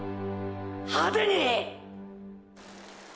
派手に！！